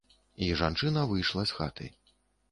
І жанчына выйшла з хаты.